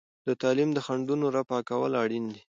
د تعلیم د خنډونو رفع کول اړین دي.